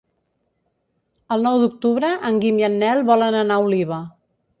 El nou d'octubre en Guim i en Nel volen anar a Oliva.